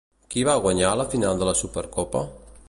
Qui va guanyar la final de la Supercopa?